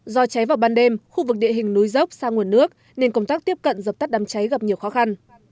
địa hình núi dốc xa nguồn nước nên công tác tiếp cận dập tắt đám cháy gặp nhiều khó khăn